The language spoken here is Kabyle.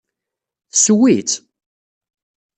Tesseww-itt?